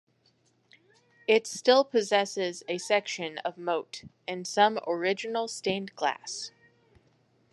It still possesses a section of moat and some original stained glass.